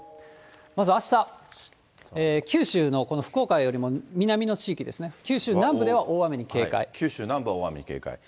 まずあした、九州の、この福岡よりも南の地域ですね、九州南部では大雨に警戒。